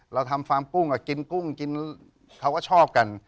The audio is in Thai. เราทำฟาร์มกุ้งกินกุ้งกินเขาก็ชอบกัน